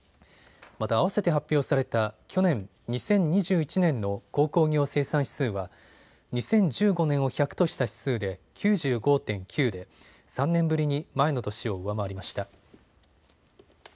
また、あわせて発表された去年、２０２１年の鉱工業生産指数は２０１５年を１００とした指数で９５．９で３年ぶりに前の年を上回りました。